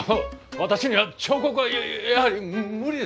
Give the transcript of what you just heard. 私には彫刻はやはり無理です。